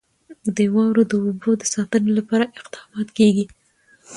د واورو د اوبو د ساتنې لپاره اقدامات کېږي.